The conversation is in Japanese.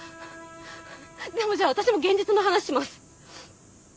でもじゃあ私も現実の話します。